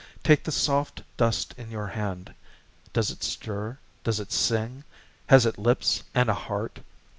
Take the soft dust in your hand does it stir: does it sing? Has it lips and a heart?